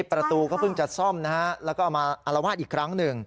ประตูก็เพิ่งจะซ่อมนะฮะแล้วก็เอามาอารวาสอีกครั้งหนึ่ง